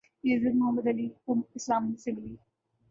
یہ عزت Muhammad Ali کو اسلام سے ملی